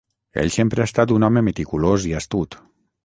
Ell sempre ha estat un home meticulós i astut.